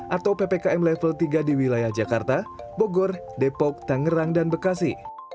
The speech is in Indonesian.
atau ppkm level tiga di wilayah jakarta bogor depok tangerang dan bekasi